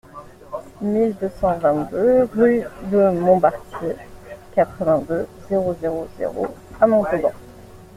mille deux cent vingt-deux route de Montbartier, quatre-vingt-deux, zéro zéro zéro à Montauban